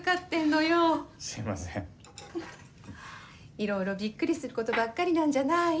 いろいろびっくりすることばっかりなんじゃない？